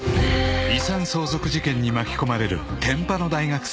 ［遺産相続事件に巻き込まれる天パの大学生］